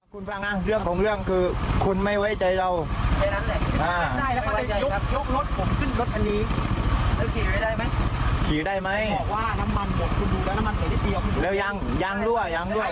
ข้ารัชการเสียอะไรครับ